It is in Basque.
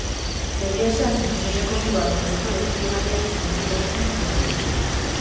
Egia esan historia kontuak nahiko deprimigarriak iruditu zaizkit ia beti.